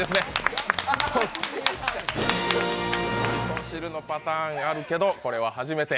味噌汁のパターンはあるけどこれは初めて。